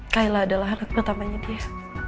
kayla adalah anak pertamanya dia